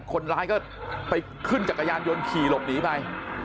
คนร้ายก็ไปขึ้นจักรยานยนต์ขี่หลบหนีไป